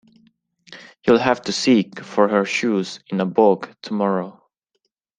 You’ll have to seek for her shoes in the bog tomorrow.